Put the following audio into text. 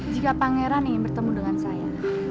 jika pak gerang ingin bertemu dengan saya